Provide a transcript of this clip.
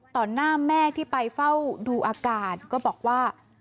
หน้าแม่ที่ไปเฝ้าดูอาการก็บอกว่า